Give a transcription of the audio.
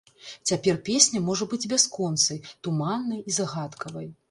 Цяпер песня можа быць бясконцай, туманнай і загадкавай.